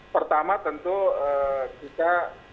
pertama tentu kita